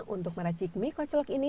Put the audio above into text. untuk meracik mie kocolok ini